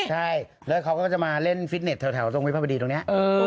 ใช่แล้วเขาก็จะมาเล่นฟิตเน็ตแถวตรงวิภาพดีตรงนี้